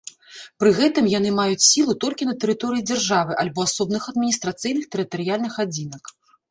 Пры гэтым яны маюць сілу толькі на тэрыторыі дзяржавы, альбо асобных адміністрацыйных тэрытарыяльных адзінак.